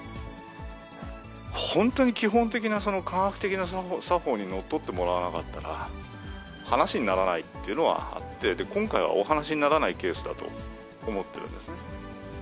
本当に基本的な科学的な作法にのっとってもらわなかったら、話にならないっていうのはあって、今回はお話にならないケースだと思ってるんです。